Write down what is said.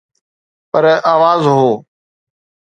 پر آواز هو.